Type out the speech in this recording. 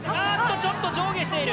ちょっと上下している。